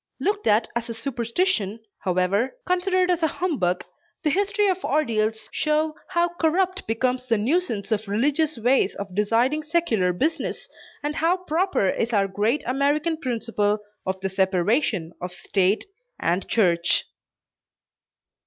Looked at as a superstition however considered as a humbug the history of ordeals show how corrupt becomes the nuisance of religious ways of deciding secular business, and how proper is our great American principle of the separation of state and church.